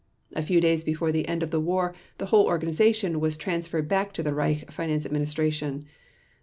A few days before the end of the war the whole organization was transferred back to the Reich Finance Administration.